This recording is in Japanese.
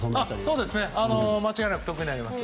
間違いなく得になります。